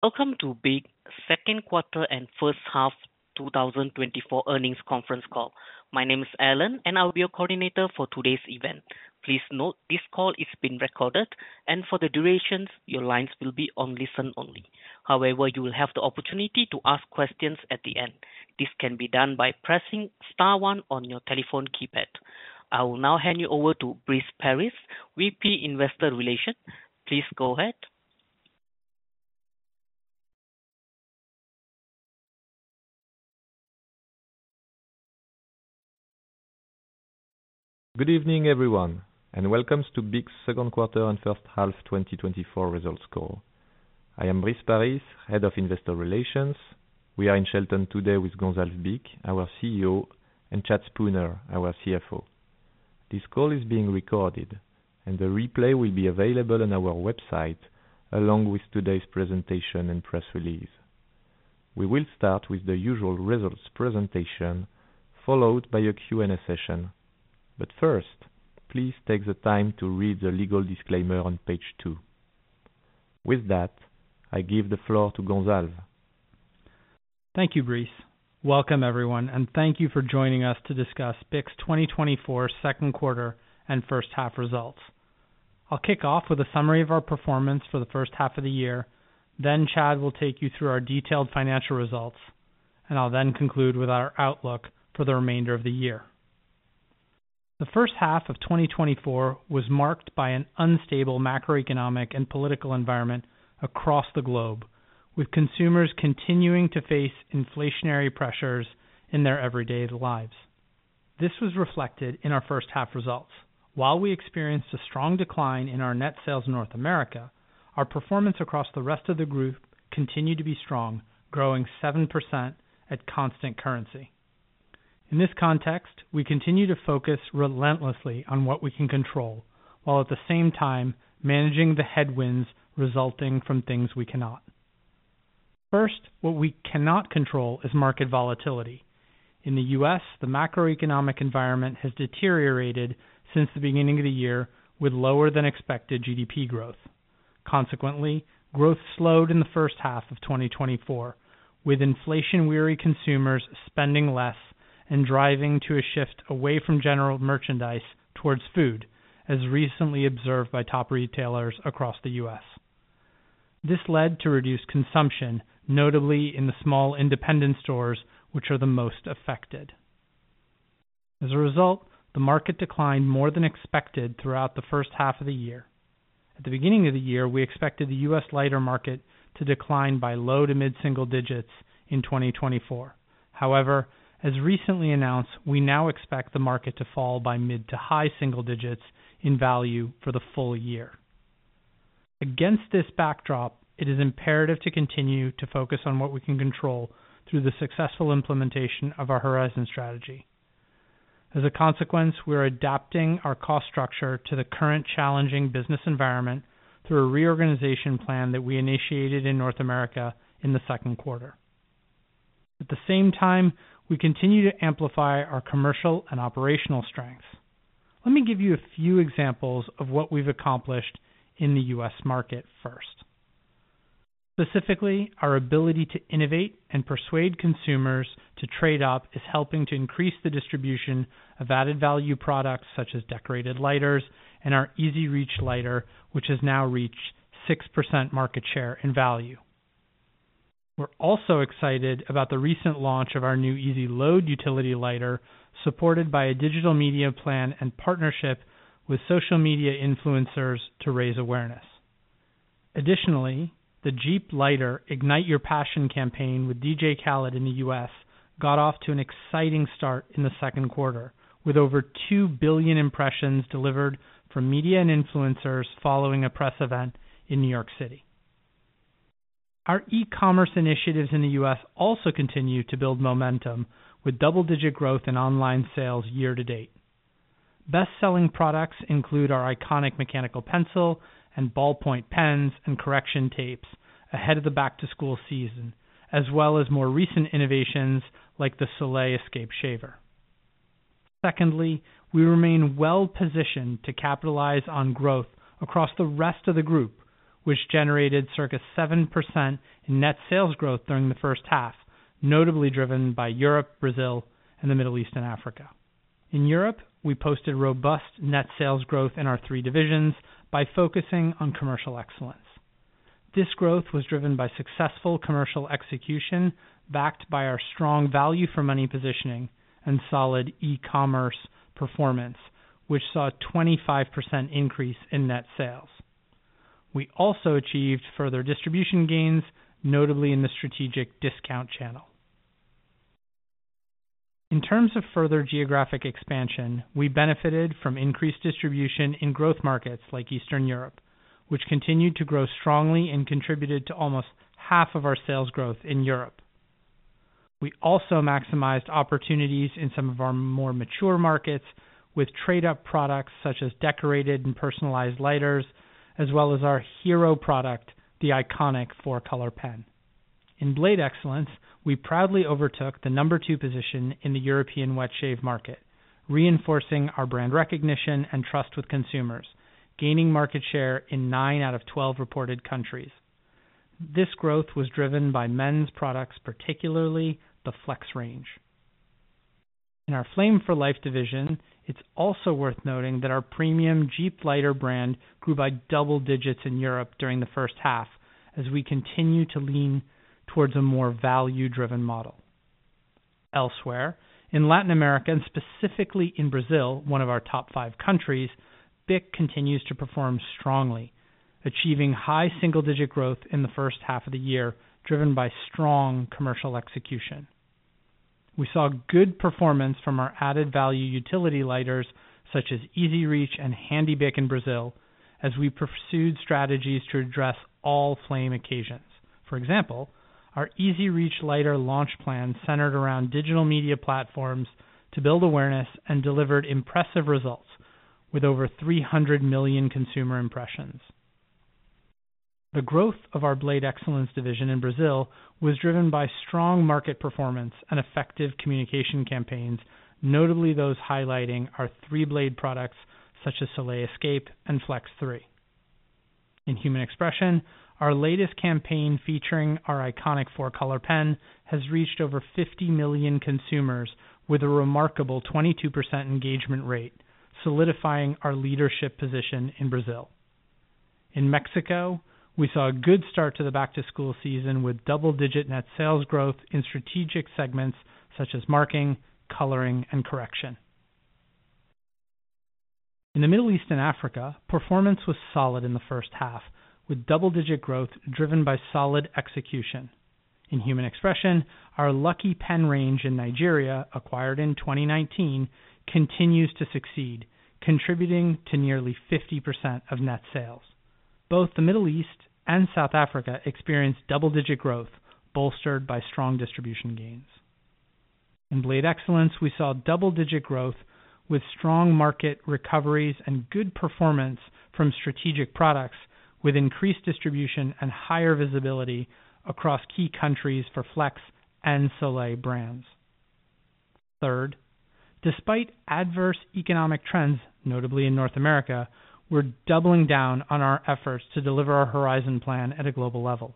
Welcome to BIC Q2 and H1 2024 Earnings Conference Call. My name is Alan, and I'll be your coordinator for today's event. Please note, this call is being recorded, and for the durations, your lines will be on listen only. However, you will have the opportunity to ask questions at the end. This can be done by pressing star one on your telephone keypad. I will now hand you over to Brice Paris, VP Investor Relations. Please go ahead. Good evening, everyone, and welcome to BIC's Q2 and H1 2024 results call. I am Brice Paris, Head of Investor Relations. We are in Shelton today with Gonzalve Bich, our CEO, and Chad Spooner, our CFO. This call is being recorded, and the replay will be available on our website, along with today's presentation and press release. We will start with the usual results presentation, followed by a Q&A session. But first, please take the time to read the legal disclaimer on page 2. With that, I give the floor to Gonzalve. Thank you, Brice. Welcome, everyone, and thank you for joining us to discuss BIC's 2024 Q2 and H1 results. I'll kick off with a summary of our performance for the H1 of the year, then Chad will take you through our detailed financial results, and I'll then conclude with our outlook for the remainder of the year. The H1 of 2024 was marked by an unstable macroeconomic and political environment across the globe, with consumers continuing to face inflationary pressures in their everyday lives. This was reflected in our H1 results. While we experienced a strong decline in our net sales in North America, our performance across the rest of the group continued to be strong, growing 7% at constant currency. In this context, we continue to focus relentlessly on what we can control, while at the same time managing the headwinds resulting from things we cannot. First, what we cannot control is market volatility. In the U.S., the macroeconomic environment has deteriorated since the beginning of the year, with lower than expected GDP growth. Consequently, growth slowed in the H1 of 2024, with inflation-weary consumers spending less and driving to a shift away from general merchandise towards food, as recently observed by top retailers across the U.S. This led to reduced consumption, notably in the small independent stores, which are the most affected. As a result, the market declined more than expected throughout the H1 of the year. At the beginning of the year, we expected the U.S. lighter market to decline by low- to mid-single digits in 2024. However, as recently announced, we now expect the market to fall by mid- to high single digits in value for the full year. Against this backdrop, it is imperative to continue to focus on what we can control through the successful implementation of our Horizon strategy. As a consequence, we are adapting our cost structure to the current challenging business environment through a reorganization plan that we initiated in North America in the Q2. At the same time, we continue to amplify our commercial and operational strengths. Let me give you a few examples of what we've accomplished in the U.S. market first. Specifically, our ability to innovate and persuade consumers to trade up is helping to increase the distribution of added value products, such as decorated lighters and our EZ Reach lighter, which has now reached 6% market share in value. We're also excited about the recent launch of our new EZ Load utility lighter, supported by a digital media plan and partnership with social media influencers to raise awareness. Additionally, the Djeep Lighter: Ignite Your Passion campaign with DJ Khaled in the US got off to an exciting start in the Q2, with over 2 billion impressions delivered from media and influencers following a press event in New York City. Our e-commerce initiatives in the US also continue to build momentum, with double-digit growth in online sales year to date. Best-selling products include our iconic mechanical pencil and ballpoint pens and correction tapes ahead of the back-to-school season, as well as more recent innovations like the Soleil Escape shaver. Secondly, we remain well positioned to capitalize on growth across the rest of the group, which generated circa 7% in net sales growth during the H1, notably driven by Europe, Brazil, and the Middle East and Africa. In Europe, we posted robust net sales growth in our three divisions by focusing on commercial excellence. This growth was driven by successful commercial execution, backed by our strong value for money positioning and solid e-commerce performance, which saw a 25% increase in net sales. We also achieved further distribution gains, notably in the strategic discount channel. In terms of further geographic expansion, we benefited from increased distribution in growth markets like Eastern Europe, which continued to grow strongly and contributed to almost half of our sales growth in Europe. We also maximized opportunities in some of our more mature markets with trade-up products such as decorated and personalized lighters, as well as our hero product, the iconic four-color pen. In Blade Excellence, we proudly overtook the number two position in the European wet shave market, reinforcing our brand recognition and trust with consumers, gaining market share in nine out of 12 reported countries. This growth was driven by men's products, particularly the Flex range. In our Flame for Life division, it's also worth noting that our premium Djeep lighter brand grew by double digits in Europe during the H1, as we continue to lean towards a more value-driven model. Elsewhere, in Latin America, and specifically in Brazil, one of our top five countries, BIC continues to perform strongly, achieving high single-digit growth in the H1 of the year, driven by strong commercial execution. We saw good performance from our added-value utility lighters, such as EZ Reach and Handy BIC in Brazil, as we pursued strategies to address all flame occasions. For example, our EZ Reach lighter launch plan centered around digital media platforms to build awareness and delivered impressive results, with over 300 million consumer impressions. The growth of our Blade Excellence division in Brazil was driven by strong market performance and effective communication campaigns, notably those highlighting our three-blade products such as Soleil Escape and Flex 3. In Human Expression, our latest campaign, featuring our iconic four-color pen, has reached over 50 million consumers with a remarkable 22% engagement rate, solidifying our leadership position in Brazil. In Mexico, we saw a good start to the back-to-school season, with double-digit net sales growth in strategic segments such as marking, coloring, and correction. In the Middle East and Africa, performance was solid in the H1, with double-digit growth driven by solid execution. In Human Expression, our Lucky pen range in Nigeria, acquired in 2019, continues to succeed, contributing to nearly 50% of net sales. Both the Middle East and South Africa experienced double-digit growth, bolstered by strong distribution gains. In Blade Excellence, we saw double-digit growth with strong market recoveries and good performance from strategic products, with increased distribution and higher visibility across key countries for Flex and Soleil brands. Third, despite adverse economic trends, notably in North America, we're doubling down on our efforts to deliver our Horizon plan at a global level.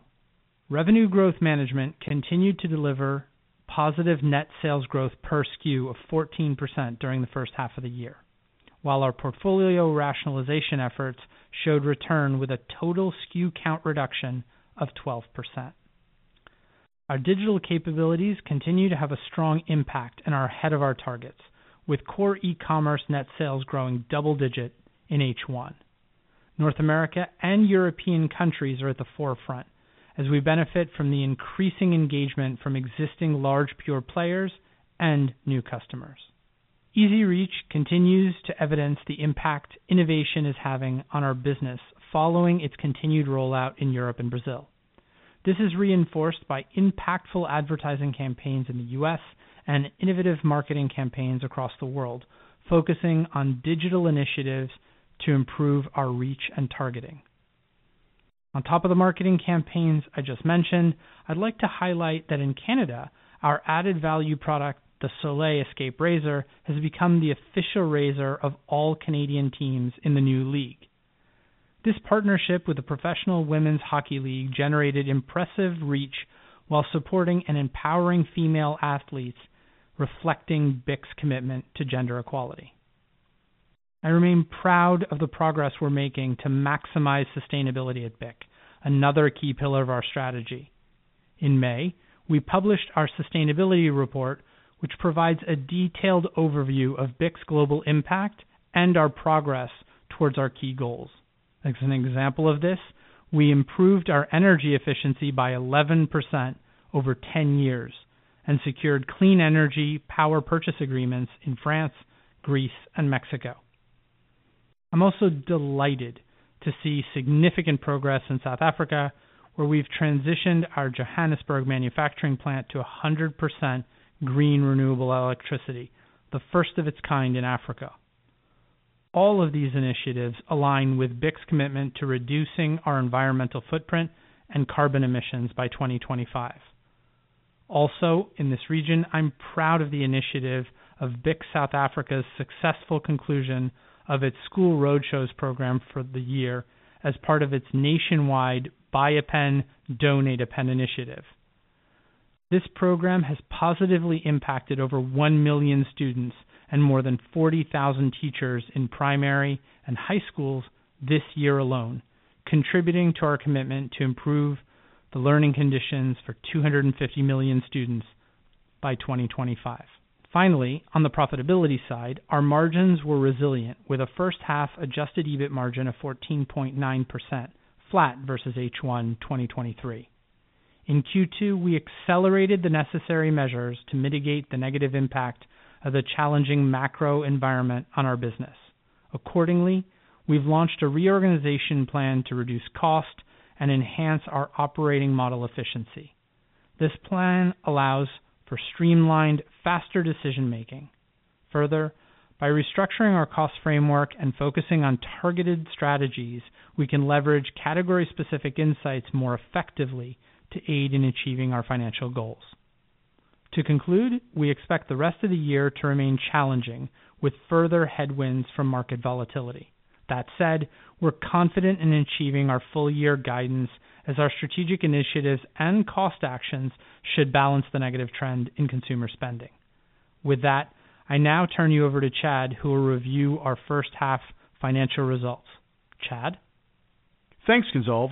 Revenue growth management continued to deliver positive net sales growth per SKU of 14% during the H1 of the year, while our portfolio rationalization efforts showed return with a total SKU count reduction of 12%. Our digital capabilities continue to have a strong impact and are ahead of our targets, with core e-commerce net sales growing double-digit in H1. North America and European countries are at the forefront as we benefit from the increasing engagement from existing large pure players and new customers. EZ Reach continues to evidence the impact innovation is having on our business following its continued rollout in Europe and Brazil. This is reinforced by impactful advertising campaigns in the U.S. and innovative marketing campaigns across the world, focusing on digital initiatives to improve our reach and targeting. On top of the marketing campaigns I just mentioned, I'd like to highlight that in Canada, our added-value product, the Soleil Escape razor, has become the official razor of all Canadian teams in the new league. This partnership with the Professional Women's Hockey League generated impressive reach while supporting and empowering female athletes, reflecting BIC's commitment to gender equality. I remain proud of the progress we're making to maximize sustainability at BIC, another key pillar of our strategy. In May, we published our sustainability report, which provides a detailed overview of BIC's global impact and our progress towards our key goals. As an example of this, we improved our energy efficiency by 11% over 10 years and secured clean energy power purchase agreements in France, Greece, and Mexico. I'm also delighted to see significant progress in South Africa, where we've transitioned our Johannesburg manufacturing plant to 100% green renewable electricity, the first of its kind in Africa. All of these initiatives align with BIC's commitment to reducing our environmental footprint and carbon emissions by 2025. Also, in this region, I'm proud of the initiative of BIC South Africa's successful conclusion of its School Roadshows program for the year as part of its nationwide Buy a Pen, Donate a Pen initiative. This program has positively impacted over 1 million students and more than 40,000 teachers in primary and high schools this year alone, contributing to our commitment to improve the learning conditions for 250 million students by 2025. Finally, on the profitability side, our margins were resilient, with a H1 adjusted EBIT margin of 14.9%, flat versus H1 2023. In Q2, we accelerated the necessary measures to mitigate the negative impact of the challenging macro environment on our business. Accordingly, we've launched a reorganization plan to reduce cost and enhance our operating model efficiency. This plan allows for streamlined, faster decision-making. Further, by restructuring our cost framework and focusing on targeted strategies, we can leverage category-specific insights more effectively to aid in achieving our financial goals. To conclude, we expect the rest of the year to remain challenging, with further headwinds from market volatility. That said, we're confident in achieving our full year guidance as our strategic initiatives and cost actions should balance the negative trend in consumer spending. With that, I now turn you over to Chad, who will review our H1 financial results. Chad? Thanks, Gonzalve.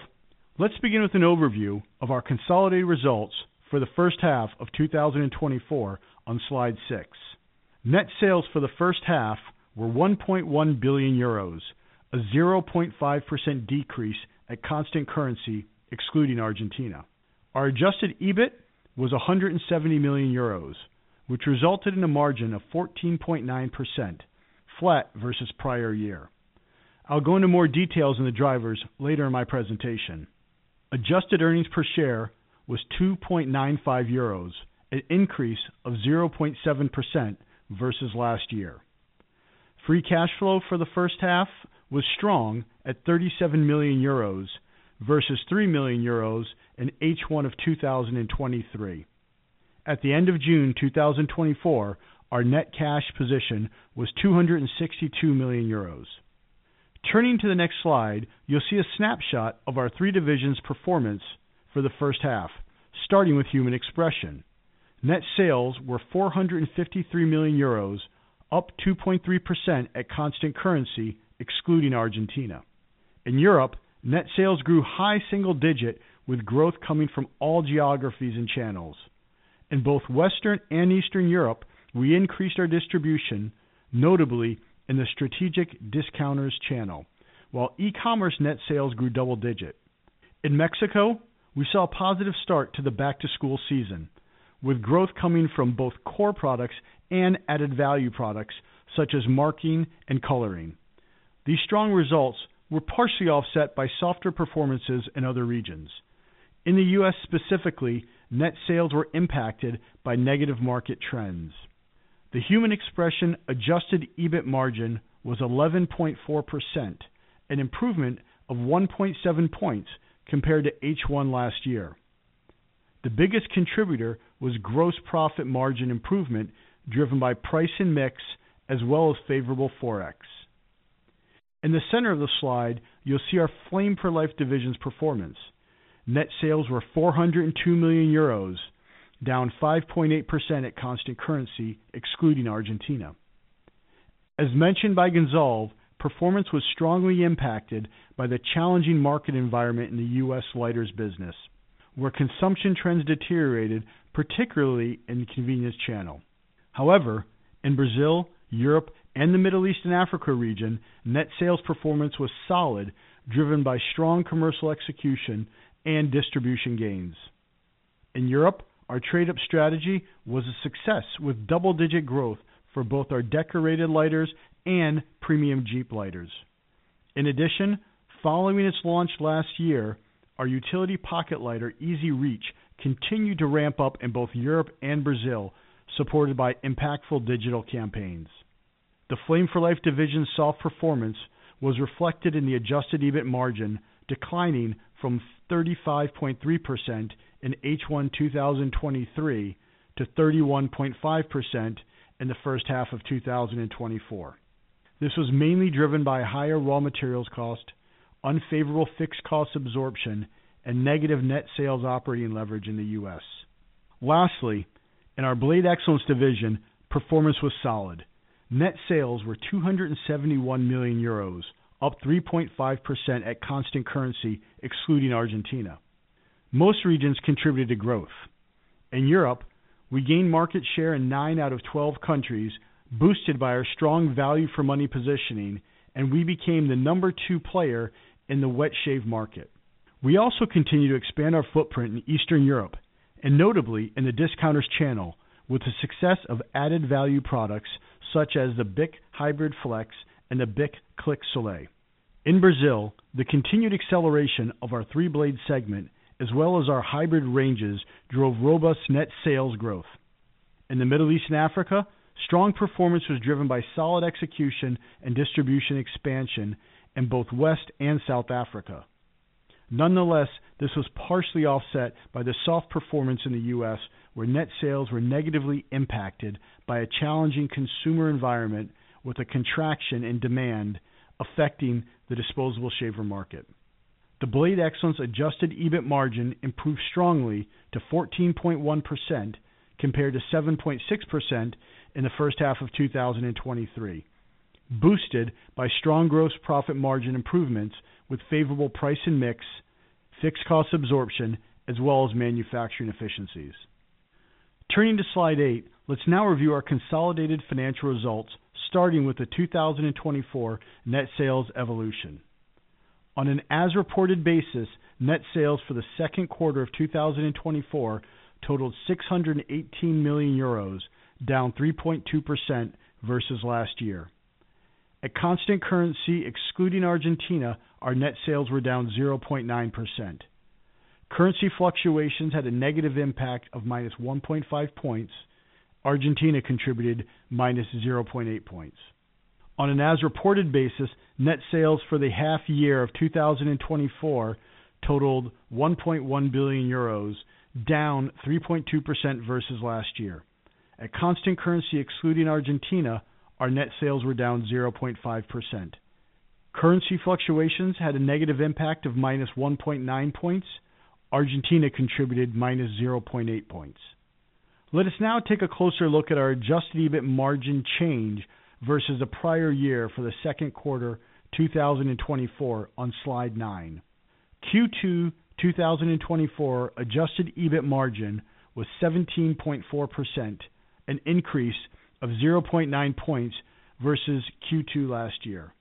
Let's begin with an overview of our consolidated results for the H1 of 2024 on slide 6. Net sales for the H1 were 1.1 billion euros, a 0.5% decrease at constant currency, excluding Argentina. Our adjusted EBIT was 170 million euros, which resulted in a margin of 14.9%, flat versus prior year. I'll go into more details on the drivers later in my presentation. Adjusted earnings per share was 2.95 euros, an increase of 0.7% versus last year. Free cash flow for the H1 was strong at 37 million euros, versus 3 million euros in H1 of 2023. At the end of June 2024, our net cash position was 262 million euros. Turning to the next slide, you'll see a snapshot of our three divisions' performance for the H1, starting with Human Expression. Net sales were EUR 453 million, up 2.3% at constant currency, excluding Argentina. In Europe, net sales grew high single digit, with growth coming from all geographies and channels. In both Western and Eastern Europe, we increased our distribution, notably in the strategic discounters channel, while e-commerce net sales grew double digit. In Mexico, we saw a positive start to the back-to-school season, with growth coming from both core products and added value products, such as marking and coloring. These strong results were partially offset by softer performances in other regions. In the U.S. specifically, net sales were impacted by negative market trends. The Human Expression adjusted EBIT margin was 11.4%, an improvement of 1.7 points compared to H1 last year. The biggest contributor was gross profit margin improvement, driven by price and mix, as well as favorable Forex. In the center of the slide, you'll see our Flame for Life division's performance. Net sales were 402 million euros, down 5.8% at constant currency, excluding Argentina. As mentioned by Gonzalve, performance was strongly impacted by the challenging market environment in the U.S. lighters business, where consumption trends deteriorated, particularly in the convenience channel. However, in Brazil, Europe, and the Middle East and Africa region, net sales performance was solid, driven by strong commercial execution and distribution gains. In Europe, our trade-up strategy was a success, with double-digit growth for both our decorated lighters and premium Djeep lighters. In addition, following its launch last year, our utility pocket lighter, EZ Reach, continued to ramp up in both Europe and Brazil, supported by impactful digital campaigns. The Flame for Life division's soft performance was reflected in the adjusted EBIT margin, declining from 35.3% in H1 2023 to 31.5% in the H1 of 2024. This was mainly driven by higher raw materials cost, unfavorable fixed cost absorption, and negative net sales operating leverage in the US. Lastly, in our Blade Excellence division, performance was solid. Net sales were 271 million euros, up 3.5% at constant currency, excluding Argentina. Most regions contributed to growth. In Europe, we gained market share in 9 out of 12 countries, boosted by our strong value for money positioning, and we became the number two player in the wet shave market. We also continued to expand our footprint in Eastern Europe and notably in the discounters channel, with the success of added value products such as the BIC Hybrid Flex and the BIC Click Soleil. In Brazil, the continued acceleration of our three-blade segment, as well as our hybrid ranges, drove robust net sales growth. In the Middle East and Africa, strong performance was driven by solid execution and distribution expansion in both West and South Africa. Nonetheless, this was partially offset by the soft performance in the U.S., where net sales were negatively impacted by a challenging consumer environment with a contraction in demand affecting the disposable shaver market. The Blade Excellence adjusted EBIT margin improved strongly to 14.1%, compared to 7.6% in the H1 of 2023, boosted by strong gross profit margin improvements with favorable price and mix, fixed cost absorption, as well as manufacturing efficiencies. Turning to slide eight, let's now review our consolidated financial results, starting with the 2024 net sales evolution. On an as-reported basis, net sales for the Q2 of 2024 totaled EUR 618 million, down 3.2% versus last year. At constant currency, excluding Argentina, our net sales were down 0.9%....currency fluctuations had a negative impact of -1.5 points. Argentina contributed -0.8 points. On an as-reported basis, net sales for the half year of 2024 totaled 1.1 billion euros, down 3.2% versus last year. At constant currency, excluding Argentina, our net sales were down 0.5%. Currency fluctuations had a negative impact of -1.9 points. Argentina contributed -0.8 points. Let us now take a closer look at our adjusted EBIT margin change versus the prior year for the Q2, 2024, on slide 9. Q2 2024 adjusted EBIT margin was 17.4%, an increase of 0.9 points versus Q2 last year.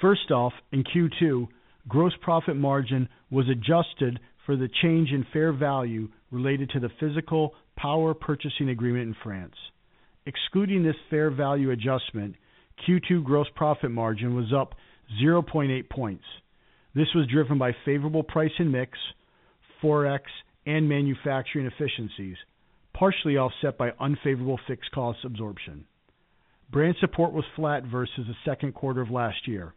First off, in Q2, gross profit margin was adjusted for the change in fair value related to the physical power purchase agreement in France. Excluding this fair value adjustment, Q2 gross profit margin was up 0.8 points. This was driven by favorable price and mix, Forex, and manufacturing efficiencies, partially offset by unfavorable fixed cost absorption. Brand support was flat versus the Q2 of last year.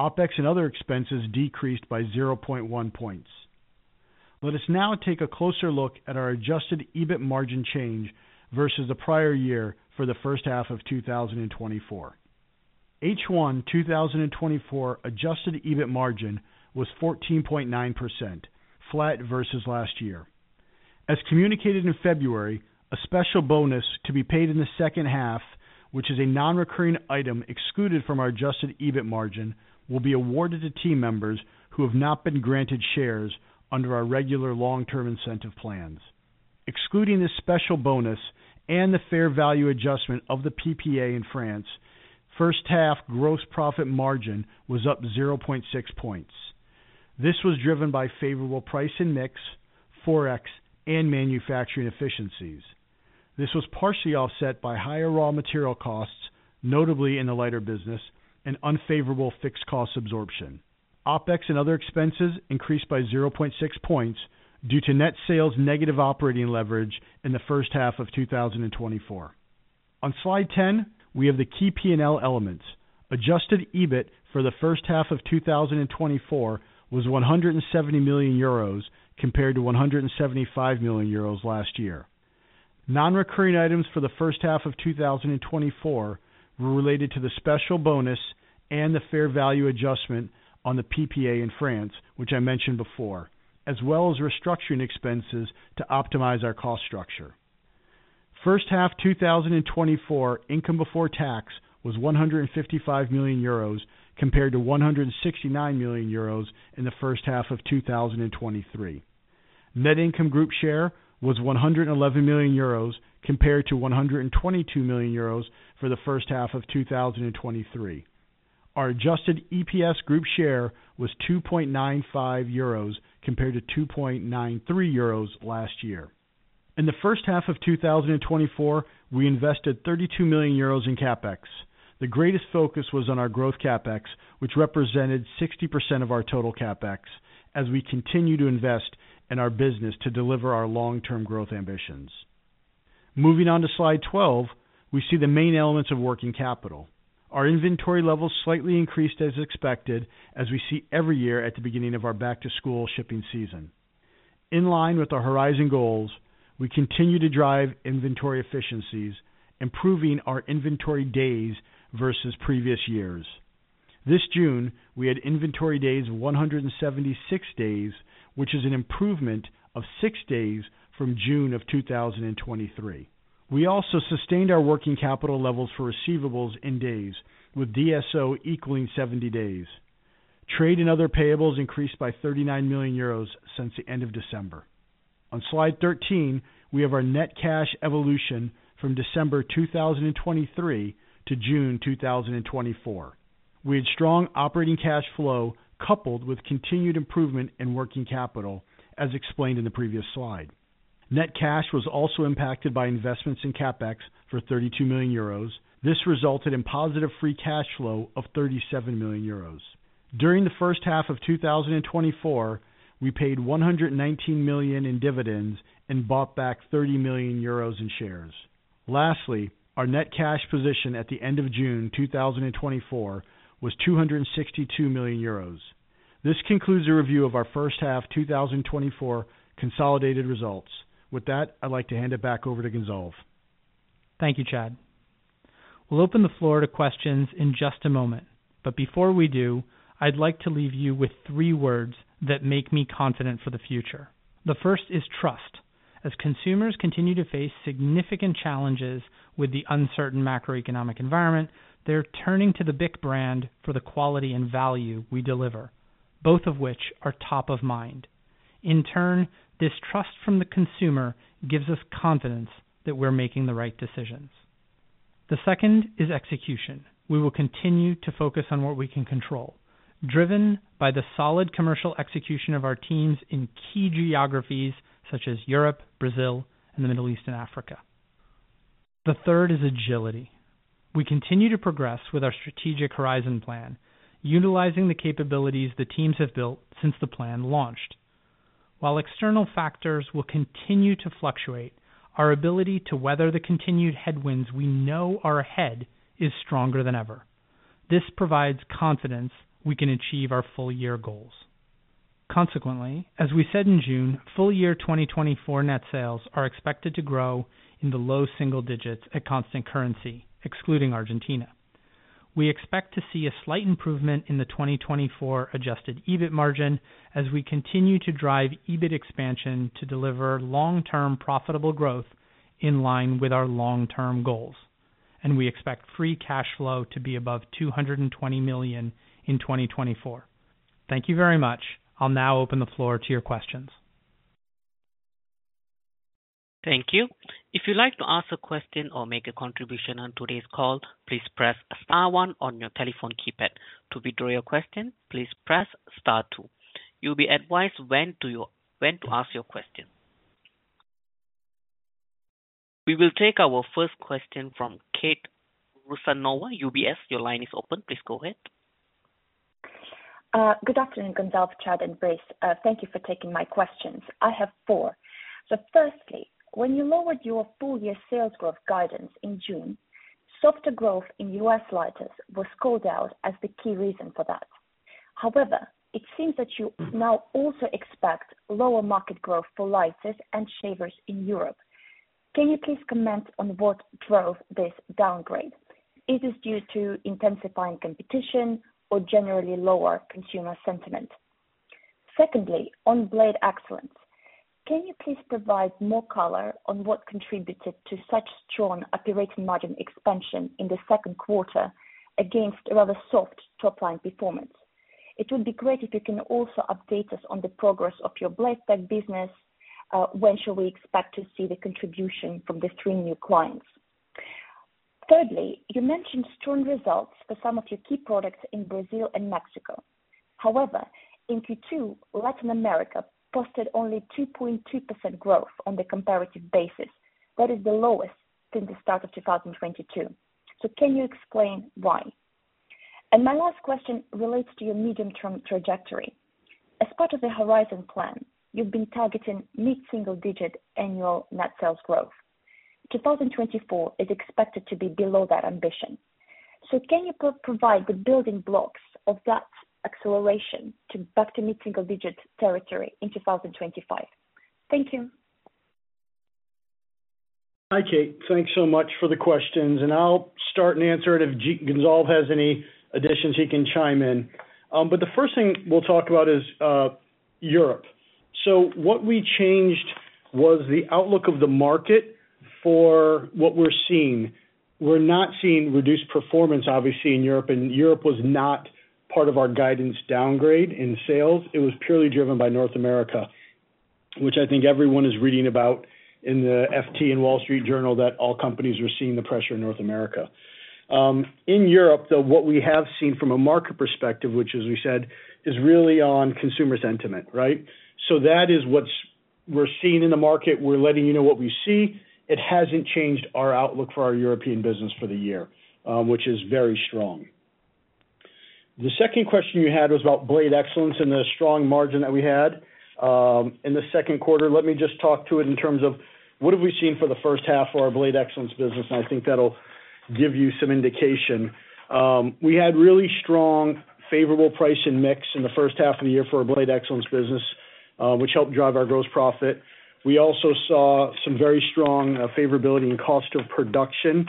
OpEx and other expenses decreased by 0.1 points. Let us now take a closer look at our adjusted EBIT margin change versus the prior year for the H1 of 2024. H1 2024 adjusted EBIT margin was 14.9%, flat versus last year. As communicated in February, a special bonus to be paid in the H2, which is a non-recurring item excluded from our adjusted EBIT margin, will be awarded to team members who have not been granted shares under our regular long-term incentive plans. Excluding this special bonus and the fair value adjustment of the PPA in France, H1 gross profit margin was up 0.6 points. This was driven by favorable price and mix, Forex, and manufacturing efficiencies. This was partially offset by higher raw material costs, notably in the lighter business and unfavorable fixed cost absorption. OpEx and other expenses increased by 0.6 points due to net sales negative operating leverage in the H1 of 2024. On slide 10, we have the key P&L elements. Adjusted EBIT for the H1 of 2024 was 170 million euros, compared to 175 million euros last year. Non-recurring items for the H1 of 2024 were related to the special bonus and the fair value adjustment on the PPA in France, which I mentioned before, as well as restructuring expenses to optimize our cost structure. H1 2024, income before tax was 155 million euros, compared to 169 million euros in the H1 of 2023. Net income group share was 111 million euros, compared to 122 million euros for the H1 of 2023. Our adjusted EPS group share was 2.95 euros, compared to 2.93 euros last year. In the H1 of 2024, we invested 32 million euros in CapEx. The greatest focus was on our growth CapEx, which represented 60% of our total CapEx, as we continue to invest in our business to deliver our long-term growth ambitions. Moving on to slide 12, we see the main elements of working capital. Our inventory levels slightly increased, as expected, as we see every year at the beginning of our back-to-school shipping season. In line with our Horizon goals, we continue to drive inventory efficiencies, improving our inventory days versus previous years. This June, we had inventory days of 176 days, which is an improvement of six days from June of 2023. We also sustained our working capital levels for receivables in days, with DSO equaling 70 days. Trade and other payables increased by 39 million euros since the end of December. On slide 13, we have our net cash evolution from December 2023 to June 2024. We had strong operating cash flow, coupled with continued improvement in working capital, as explained in the previous slide. Net cash was also impacted by investments in CapEx for 32 million euros. This resulted in positive free cash flow of 37 million euros. During the H1 of 2024, we paid 119 million in dividends and bought back 30 million euros in shares. Lastly, our net cash position at the end of June 2024 was 262 million euros. This concludes the review of our H1, 2024, consolidated results. With that, I'd like to hand it back over to Gonzalve. Thank you, Chad. We'll open the floor to questions in just a moment, but before we do, I'd like to leave you with three words that make me confident for the future. The first is trust. As consumers continue to face significant challenges with the uncertain macroeconomic environment, they're turning to the BIC brand for the quality and value we deliver, both of which are top of mind. In turn, this trust from the consumer gives us confidence that we're making the right decisions. The second is execution. We will continue to focus on what we can control, driven by the solid commercial execution of our teams in key geographies such as Europe, Brazil, and the Middle East and Africa.... The third is agility. We continue to progress with our strategic Horizon plan, utilizing the capabilities the teams have built since the plan launched. While external factors will continue to fluctuate, our ability to weather the continued headwinds we know are ahead is stronger than ever. This provides confidence we can achieve our full-year goals. Consequently, as we said in June, full-year 2024 net sales are expected to grow in the low single digits at constant currency, excluding Argentina. We expect to see a slight improvement in the 2024 adjusted EBIT margin as we continue to drive EBIT expansion to deliver long-term profitable growth in line with our long-term goals. And we expect free cash flow to be above 220 million in 2024. Thank you very much. I'll now open the floor to your questions. Thank you. If you'd like to ask a question or make a contribution on today's call, please press star one on your telephone keypad. To withdraw your question, please press star two. You'll be advised when to ask your question. We will take our first question from Kate Rusanova, UBS. Your line is open. Please go ahead. Good afternoon, Gonzalve, Chad, and Brice. Thank you for taking my questions. I have 4. Firstly, when you lowered your full-year sales growth guidance in June, softer growth in U.S. lighters was called out as the key reason for that. However, it seems that you now also expect lower market growth for lighters and shavers in Europe. Can you please comment on what drove this downgrade? Is this due to intensifying competition or generally lower consumer sentiment? Secondly, on Blade Excellence, can you please provide more color on what contributed to such strong operating margin expansion in the Q2 against a rather soft top line performance? It would be great if you can also update us on the progress of your blade pack business. When should we expect to see the contribution from the 3 new clients? Thirdly, you mentioned strong results for some of your key products in Brazil and Mexico. However, in Q2, Latin America posted only 2.2% growth on the comparative basis. That is the lowest since the start of 2022. So can you explain why? And my last question relates to your medium-term trajectory. As part of the Horizon plan, you've been targeting mid-single digit annual net sales growth. 2024 is expected to be below that ambition. So can you provide the building blocks of that acceleration to back to mid-single digit territory in 2025? Thank you. Hi, Kate. Thanks so much for the questions, and I'll start and answer it. If Gonzalve has any additions, he can chime in. But the first thing we'll talk about is Europe. So what we changed was the outlook of the market for what we're seeing. We're not seeing reduced performance, obviously, in Europe, and Europe was not part of our guidance downgrade in sales. It was purely driven by North America, which I think everyone is reading about in the FT and Wall Street Journal, that all companies are seeing the pressure in North America. In Europe, though, what we have seen from a market perspective, which as we said, is really on consumer sentiment, right? So that is what we're seeing in the market. We're letting you know what we see. It hasn't changed our outlook for our European business for the year, which is very strong. The second question you had was about Blade Excellence and the strong margin that we had in the Q2. Let me just talk to it in terms of what have we seen for the H1 of our Blade Excellence business, and I think that'll give you some indication. We had really strong, favorable price and mix in the H1 of the year for our Blade Excellence business, which helped drive our gross profit. We also saw some very strong favorability in cost of production,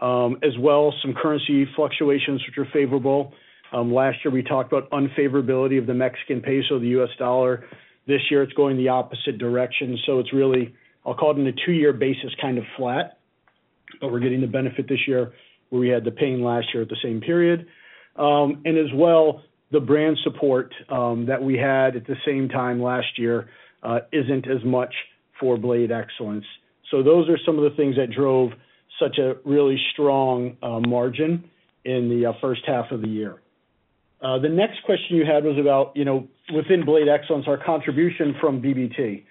as well as some currency fluctuations, which are favorable. Last year, we talked about unfavorability of the Mexican peso, the U.S. dollar. This year, it's going the opposite direction, so it's really, I'll call it, in a two-year basis, kind of flat, but we're getting the benefit this year, where we had the pain last year at the same period. And as well, the brand support that we had at the same time last year isn't as much for Blade Excellence. So those are some of the things that drove such a really strong margin in the H1 of the year. The next question you had was about, you know, within Blade Excellence, our contribution from BBT.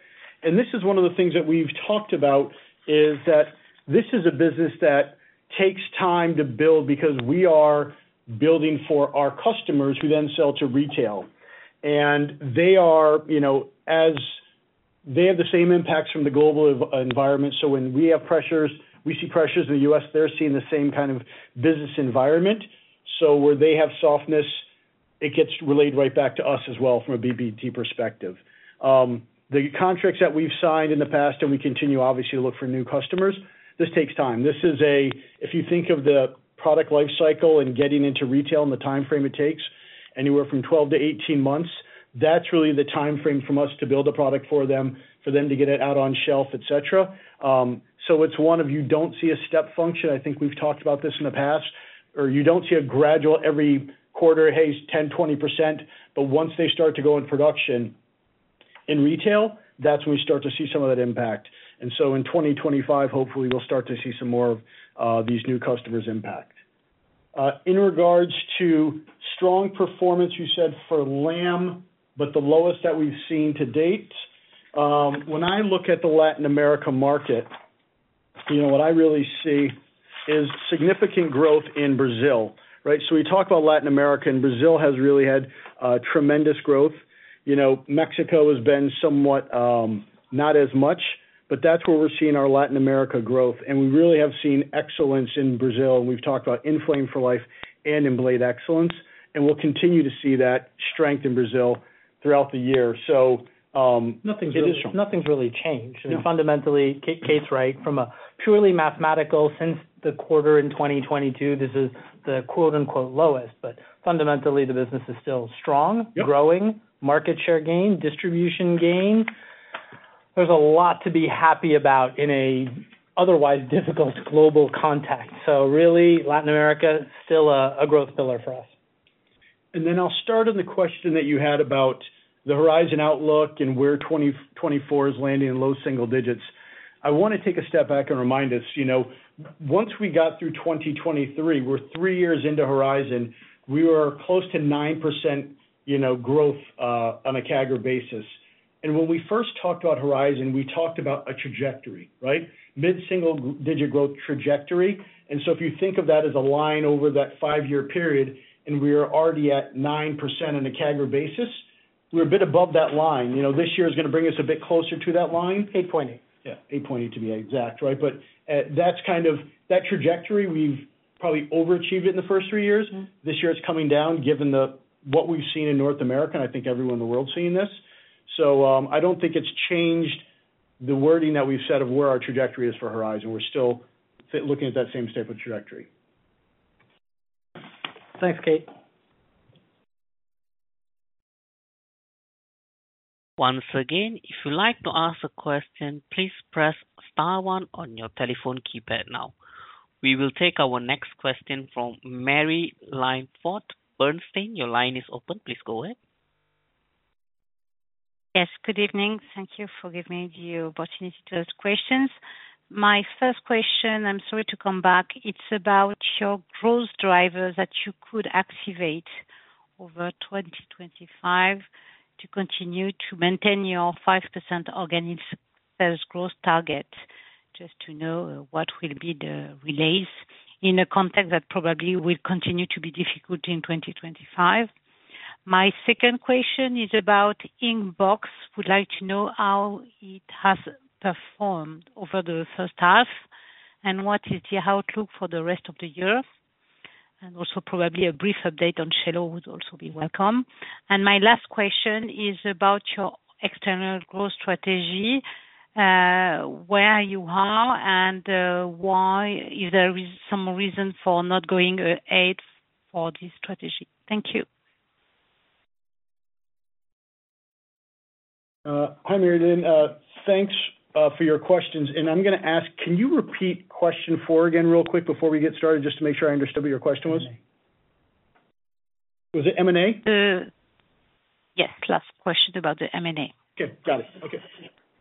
And this is one of the things that we've talked about, is that this is a business that takes time to build because we are building for our customers who then sell to retail. They are, you know, as they have the same impacts from the global environment, so when we have pressures, we see pressures in the US, they're seeing the same kind of business environment. So where they have softness, it gets relayed right back to us as well from a BBT perspective. The contracts that we've signed in the past, and we continue, obviously, to look for new customers, this takes time. This is. If you think of the product life cycle and getting into retail and the timeframe it takes, anywhere from 12-18 months, that's really the timeframe from us to build a product for them, for them to get it out on shelf, et cetera. So it's one where you don't see a step function. I think we've talked about this in the past, or you don't see a gradual every quarter, 10, 20%, but once they start to go in production in retail, that's when we start to see some of that impact. And so in 2025, hopefully, we'll start to see some more of these new customers' impact. In regards to strong performance, you said for Latin America, but the lowest that we've seen to date. When I look at the Latin America market, you know, what I really see is significant growth in Brazil, right? So we talk about Latin America, and Brazil has really had tremendous growth. You know, Mexico has been somewhat not as much, but that's where we're seeing our Latin America growth, and we really have seen excellence in Brazil. We've talked about in Flame for Life and in Blade Excellence, and we'll continue to see that strength in Brazil throughout the year. So, Nothing's really, nothing's really changed. Fundamentally, Kate's right. From a purely mathematical, since the quarter in 2022, this is the quote, unquote, lowest, but fundamentally, the business is still strong- Yep - growing, market share gain, distribution gain. There's a lot to be happy about in an otherwise difficult global context. So really, Latin America is still a growth pillar for us. Then I'll start on the question that you had about the Horizon outlook and where 2024 is landing in low single digits. I wanna take a step back and remind us, you know, once we got through 2023, we're three years into Horizon, we were close to 9%, you know, growth on a CAGR basis. When we first talked about Horizon, we talked about a trajectory, right? Mid-single digit growth trajectory. So if you think of that as a line over that five-year period, and we are already at 9% on a CAGR basis, we're a bit above that line. You know, this year is gonna bring us a bit closer to that line. 8.8. Yeah, 8.8, to be exact, right? But, that's kind of that trajectory, we've probably overachieved it in the first three years. This year, it's coming down, given what we've seen in North America, and I think everyone in the world is seeing this. So, I don't think it's changed the wording that we've said of where our trajectory is for Horizon. We're still looking at that same type of trajectory. Thanks, Kate. Once again, if you'd like to ask a question, please press star one on your telephone keypad now. We will take our next question from Marie-Line Fort. Bernstein, your line is open. Please go ahead. Yes, good evening. Thank you for giving me the opportunity to ask questions. My first question, I'm sorry to come back, it's about your growth drivers that you could activate over 2025 to continue to maintain your 5% organic sales growth target, just to know what will be the relays in a context that probably will continue to be difficult in 2025. My second question is about Inkbox. Would like to know how it has performed over the H1, and what is the outlook for the rest of the year, and also probably a brief update on Cello would also be welcome. And my last question is about your external growth strategy. Where you are and why is there some reason for not going ahead for this strategy? Thank you. Hi, Marie-Line, thanks for your questions. I'm gonna ask, can you repeat question four again real quick before we get started, just to make sure I understood what your question was? Was it M&A? Yes, last question about the M&A. Okay, got it. Okay,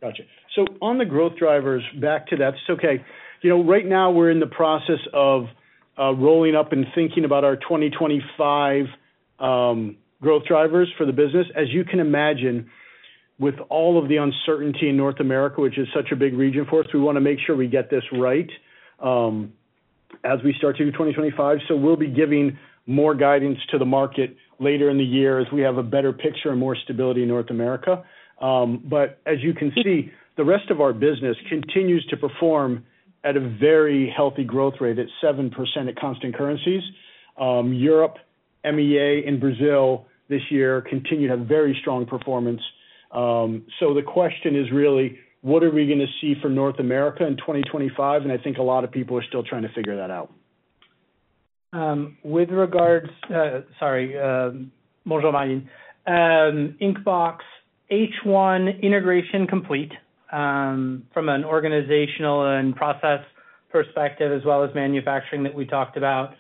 gotcha. So on the growth drivers, back to that. It's okay. You know, right now we're in the process of rolling up and thinking about our 2025 growth drivers for the business. As you can imagine, with all of the uncertainty in North America, which is such a big region for us, we wanna make sure we get this right, as we start through 2025. So we'll be giving more guidance to the market later in the year as we have a better picture and more stability in North America. But as you can see, the rest of our business continues to perform at a very healthy growth rate, at 7% at constant currencies. Europe, MEA, and Brazil this year continued to have very strong performance. So the question is really, what are we gonna see from North America in 2025? And I think a lot of people are still trying to figure that out. With regards, sorry, Bonjour, Marie-Line. Inkbox, H1 integration complete, from an organizational and process perspective, as well as manufacturing that we talked about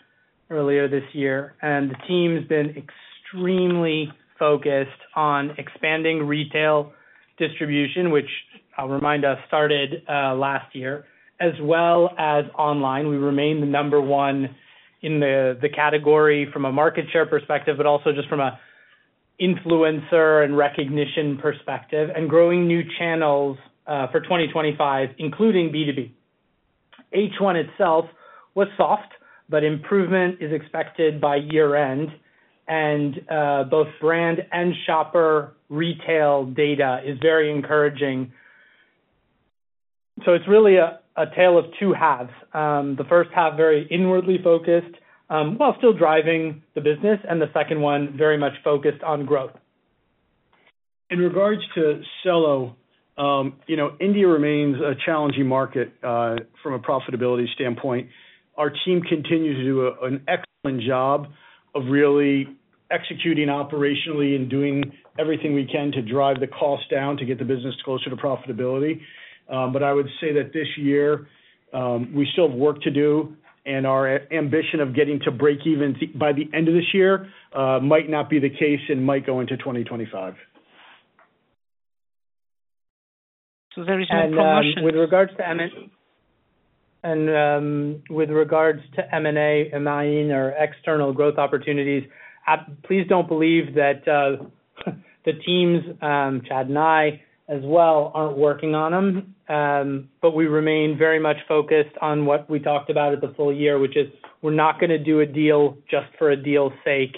earlier this year. And the team's been extremely focused on expanding retail distribution, which I'll remind us, started last year, as well as online. We remain the number one in the category from a market share perspective, but also just from a influencer and recognition perspective, and growing new channels for 2025, including B2B. H1 itself was soft, but improvement is expected by year-end, and both brand and shopper retail data is very encouraging. So it's really a tale of two halves. The H1, very inwardly focused, while still driving the business, and the second one, very much focused on growth. In regards to Cello, you know, India remains a challenging market, from a profitability standpoint. Our team continues to do an excellent job of really executing operationally and doing everything we can to drive the cost down to get the business closer to profitability. But I would say that this year, we still have work to do, and our ambition of getting to breakeven by the end of this year, might not be the case and might go into 2025. So there is no promotion? With regards to M&A, Marie-Line, or external growth opportunities, please don't believe that the teams, Chad and I as well, aren't working on them. But we remain very much focused on what we talked about at the full year, which is we're not gonna do a deal just for a deal's sake.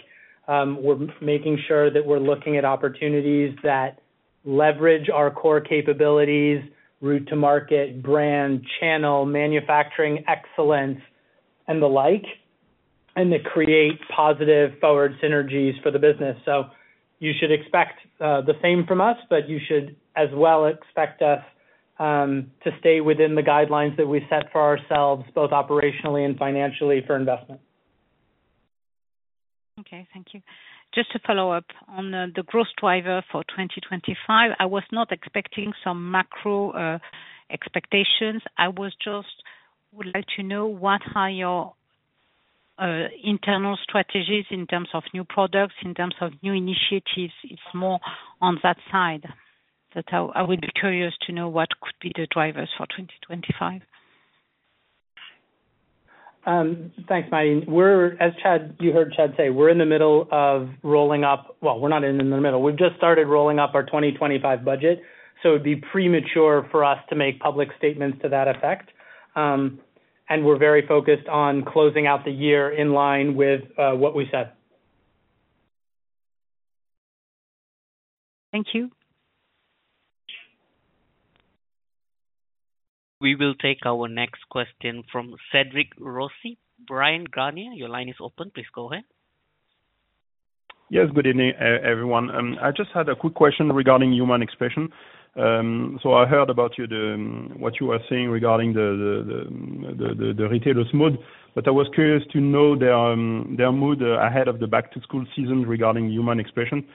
We're making sure that we're looking at opportunities that leverage our core capabilities, route to market, brand, channel, manufacturing excellence, and the like, and that create positive forward synergies for the business. So you should expect the same from us, but you should as well expect us to stay within the guidelines that we set for ourselves, both operationally and financially, for investment. Okay. Thank you. Just to follow up on the growth driver for 2025, I was not expecting some macro expectations. I would like to know, what are your internal strategies in terms of new products, in terms of new initiatives? It's more on that side, that I, I would be curious to know what could be the drivers for 2025. Thanks, Maureen. We're, as Chad, you heard Chad say, we're in the middle of rolling up... Well, we're not in the middle. We've just started rolling up our 2025 budget, so it'd be premature for us to make public statements to that effect. And we're very focused on closing out the year in line with what we said. Thank you. We will take our next question from Cédric Rossi. Bryan Garnier, your line is open. Please go ahead. Yes, good evening, everyone. I just had a quick question regarding Human Expression. So I heard about what you were saying regarding the retailer's mood, but I was curious to know their mood ahead of the back-to-school season regarding Human Expression.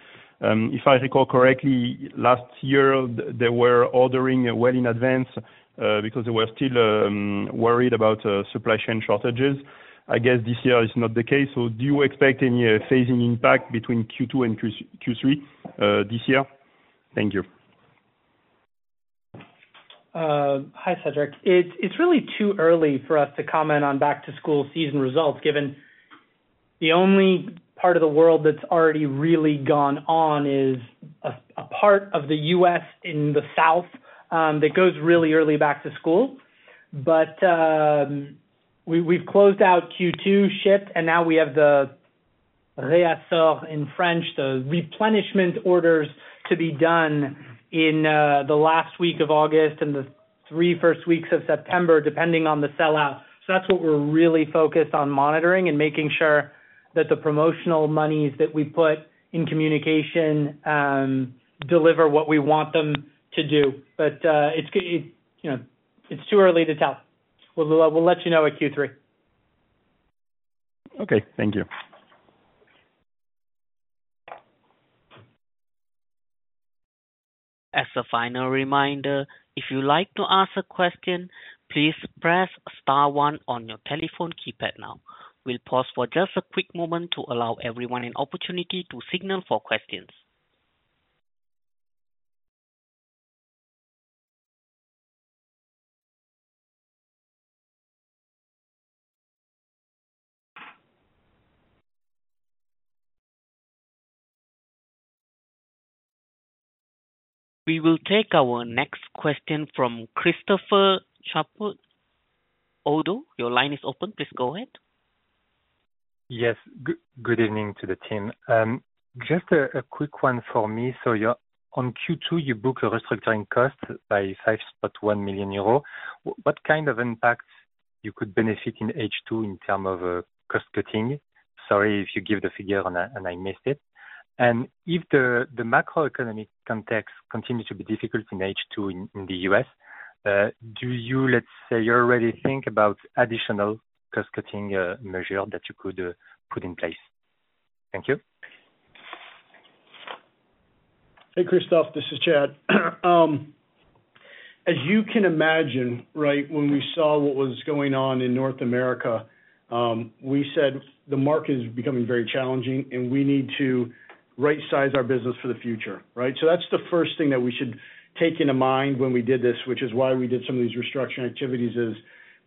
If I recall correctly, last year, they were ordering well in advance because they were still worried about supply chain shortages. I guess this year is not the case. So do you expect any phasing impact between Q2 and Q3 this year? Thank you. Hi, Cédric. It's really too early for us to comment on back-to-school season results, given the only part of the world that's already really gone on is a part of the U.S. in the South that goes really early back to school. But we've closed out Q2 shipped, and now we have the inventory in France, the replenishment orders, to be done in the last week of August and the three first weeks of September, depending on the sellout. So that's what we're really focused on monitoring and making sure that the promotional monies that we put in communication deliver what we want them to do. But you know, it's too early to tell. We'll let you know at Q3. Okay. Thank you. As a final reminder, if you'd like to ask a question, please press star one on your telephone keypad now. We'll pause for just a quick moment to allow everyone an opportunity to signal for questions. We will take our next question from Christophe Chaput. Your line is open. Please go ahead. Yes. Good evening to the team. Just a quick one for me. So you're on Q2, you booked a restructuring cost of 5.1 million euro. What kind of impact you could benefit in H2 in term of cost cutting? Sorry if you gave the figure and I missed it. And if the macroeconomic context continues to be difficult in H2 in the US, do you... Let's say, you already think about additional cost-cutting measure that you could put in place? Thank you. Hey, Christophe, this is Chad. As you can imagine, right, when we saw what was going on in North America, we said the market is becoming very challenging, and we need to right size our business for the future, right? So that's the first thing that we should take into mind when we did this, which is why we did some of these restructuring activities, is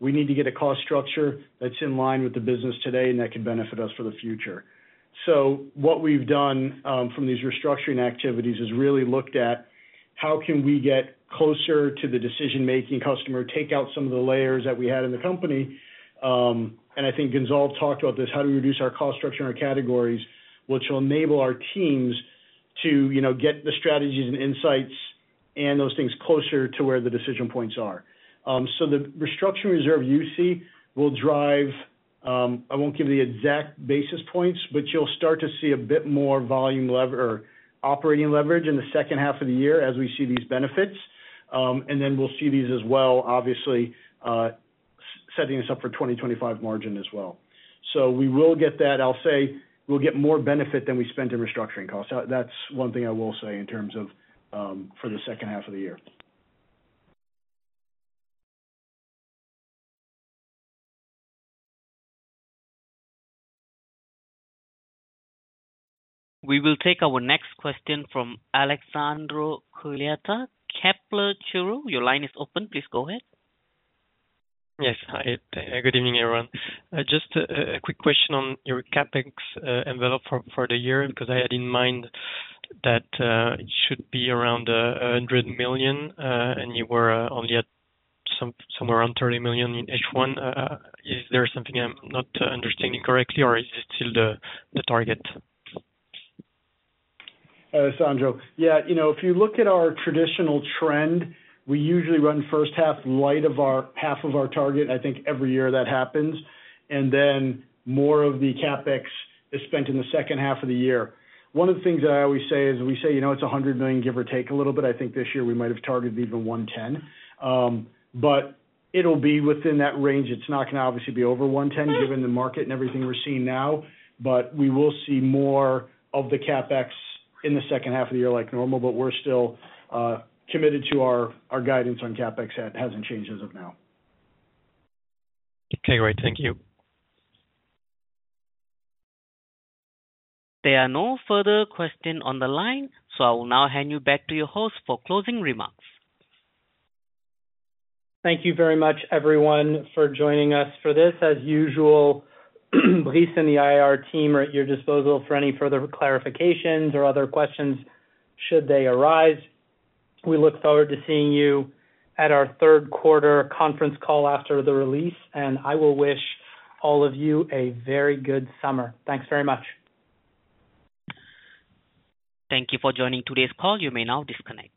we need to get a cost structure that's in line with the business today and that could benefit us for the future. So what we've done, from these restructuring activities, is really looked at, how can we get closer to the decision-making customer, take out some of the layers that we had in the company? And I think Gonzalve talked about this, how do we reduce our cost structure and our categories, which will enable our teams to, you know, get the strategies and insights and those things closer to where the decision points are? So the restructuring reserve you see will drive... I won't give the exact basis points, but you'll start to see a bit more volume lever or operating leverage in the H2 of the year as we see these benefits. And then we'll see these as well, obviously, setting us up for 2025 margin as well. So we will get that. I'll say, we'll get more benefit than we spent in restructuring costs. That's one thing I will say in terms of, for the H2 of the year. We will take our next question from Alessandro Cuglietta, Kepler Cheuvreux. Your line is open. Please go ahead. Yes. Hi, good evening, everyone. Just a quick question on your CapEx envelope for the year, because I had in mind that it should be around 100 million, and you were only at somewhere around 30 million in H1. Is there something I'm not understanding correctly, or is it still the target? Sandro, yeah, you know, if you look at our traditional trend, we usually run H1 light of our, half of our target. I think every year that happens, and then more of the CapEx is spent in the H2 of the year. One of the things that I always say is, we say, you know, it's 100 million, give or take a little bit. I think this year we might have targeted even 110. But it'll be within that range. It's not gonna obviously be over 110, given the market and everything we're seeing now, but we will see more of the CapEx in the H2 of the year, like normal. But we're still committed to our guidance on CapEx. It hasn't changed as of now. Okay, great. Thank you. There are no further questions on the line, so I will now hand you back to your host for closing remarks. Thank you very much, everyone, for joining us for this. As usual, Brice and the IR team are at your disposal for any further clarifications or other questions should they arise. We look forward to seeing you at our Q3 conference call after the release, and I will wish all of you a very good summer. Thanks very much. Thank you for joining today's call. You may now disconnect.